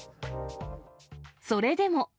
それでも。